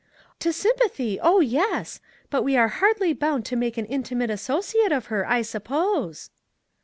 "To sympathy, oh! yes; but we are hardly bound to make an intimate associate of her, I suppose."